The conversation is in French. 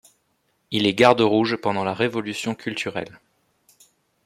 Il est garde rouge pendant la révolution culturelle.